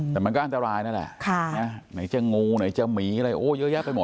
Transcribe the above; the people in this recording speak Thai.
แต่มันก็อันตรายนั่นแหละไหนจะงูไหนจะหมีอะไรโอ้เยอะแยะไปหมด